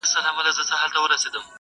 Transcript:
غریب سړی پر لاري تلم ودي ویشتمه-